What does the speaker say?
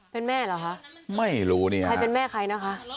เป็นแม่เหรอคะไม่รู้นี่ฮะใครเป็นแม่ใครนะคะ